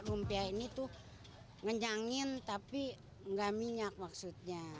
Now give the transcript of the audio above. lumpia ini tuh ngenyangin tapi nggak minyak maksudnya